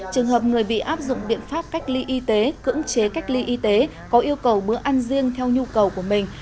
trường hợp người bị áp dụng biện pháp cách ly y tế cưỡng chế cách ly y tế có yêu cầu bữa ăn riêng theo nhu cầu của mình